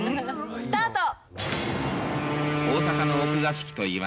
スタート！